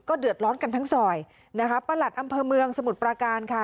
เดือดร้อนกันทั้งซอยนะคะประหลัดอำเภอเมืองสมุทรปราการค่ะ